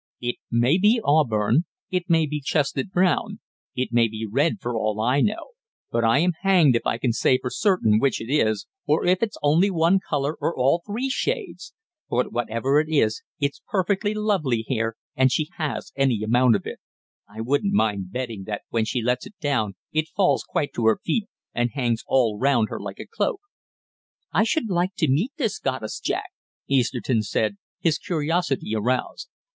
"It may be auburn; it may be chestnut brown; it may be red for all I know, but I am hanged if I can say for certain which it is, or if it's only one colour or all three shades. But whatever it is it's perfectly lovely hair, and she has any amount of it. I wouldn't mind betting that when she lets it down it falls quite to her feet and hangs all round her like a cloak." "I should like to meet this goddess, Jack," Easterton said, his curiosity aroused.